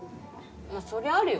まぁそりゃあるよ。